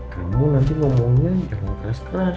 kamu nanti ngomongnya jangan keras keras